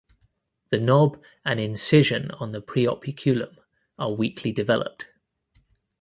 The knob and incision on the preoperculum are weakly developed.